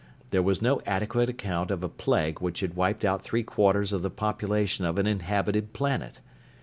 There was no adequate account of a plague which had wiped out three quarters of the population of an inhabited planet!